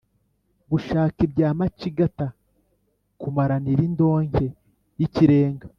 gushaka ibya macigata :kumaranira indonke y' ikirenga